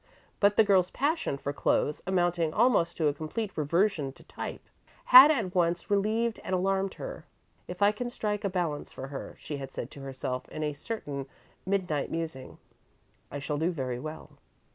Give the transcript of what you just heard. But the girl's passion for clothes, amounting almost to a complete "reversion to type," had at once relieved and alarmed her. "If I can strike a balance for her," she had said to herself in a certain midnight musing, "I shall do very well."